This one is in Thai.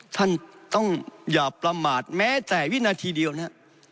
ท่านต้องอย่าประมาทแม้แต่วินาทีเดียวนะครับ